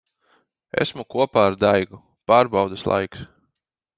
Esmu kopā ar Daigu. Pārbaudes laiks.